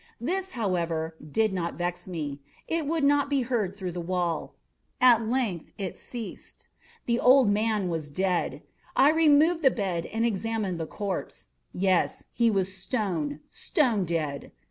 This, however, did not vex me; it would not be heard through the wall. At length it ceased. The old man was dead. I removed the bed and examined the corpse. Yes, he was stone, stone dead.